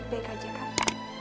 baik baik aja kan